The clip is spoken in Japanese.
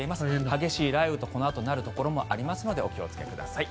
激しい雷雨となるところもありますのでお気をつけください。